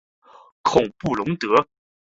孔布龙德。